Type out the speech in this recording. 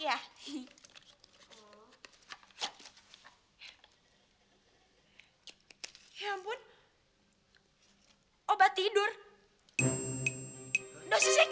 bisa grape nya tambah menginjal pindah jadi untuk pindahan semua strategy